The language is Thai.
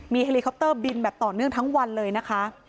เฮลิคอปเตอร์บินแบบต่อเนื่องทั้งวันเลยนะคะ